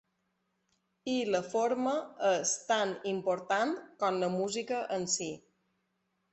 I la forma és tan important com la música en si.